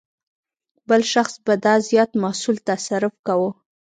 بل شخص به دا زیات محصول تصرف کاوه.